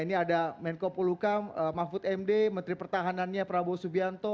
ini ada menko polukam mahfud md menteri pertahanannya prabowo subianto